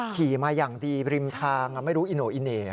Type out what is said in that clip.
ขี่มาอย่างดีริมทางไม่รู้อิโน่อีเหน่